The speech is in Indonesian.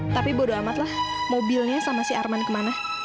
tapi bodo amatlah mobilnya sama si arman kemana